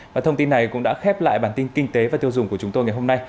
và thông tin này cũng đã khép lại bản tin kinh tế và tiêu dùng của chúng tôi ngày hôm nay